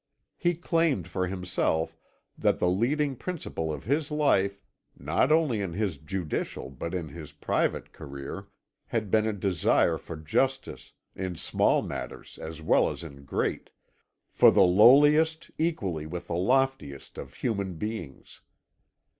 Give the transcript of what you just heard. He claimed for himself that the leading principle of his life, not only in his judicial, but in his private career, had been a desire for justice, in small matters as well as in great, for the lowliest equally with the loftiest of human beings.